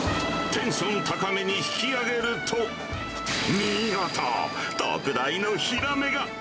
テンション高めに引き上げると、見事、特大のヒラメが。